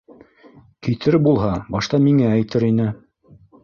Китер булһа, башта миңә әйтер ине.